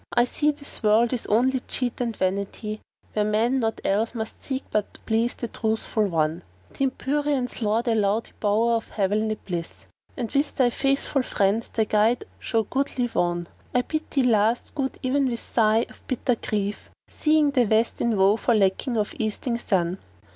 I see this world is only cheat and vanity, * Where man naught else must seek but please the Truthful One: Th' Empyrean's Lord allow thee bower of heavenly bliss, * And wi' thy faithful friends The Guide show goodly wone: I bid thee last good e'en with sigh of bitter grief, * Seeing the West in woe for lack of Easting Sun."